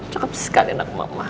cakep sekali anak mama